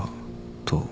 「と」